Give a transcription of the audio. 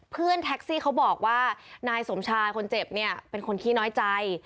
เพื่อนแท็กซี่เขาบอกว่านายสมชายคนเจ็บเนี่ยเป็นคนขี้น้อยใจ